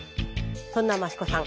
そんな増子さん